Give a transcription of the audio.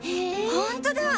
ホントだ！